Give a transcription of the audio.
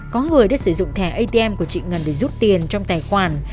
có người đã sử dụng thẻ atm của chị ngân để rút tiền trong tài khoản